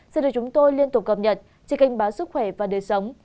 sẽ được chúng tôi liên tục cập nhật chỉ kênh báo sức khỏe và đời sống